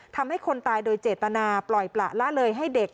ทำให้คนตายโดยเจตนาปล่อยประละเลยให้เด็ก